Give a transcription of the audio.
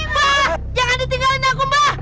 mbak jangan ditinggalin aku mbak